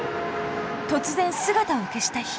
突然姿を消した光。